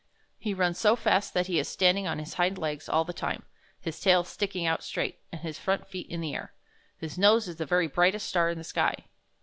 He runs so fast that he is standing on his hind legs all the time, his tail sticking out straight, and his front feet in the air. His nose is the very brightest star in the sky.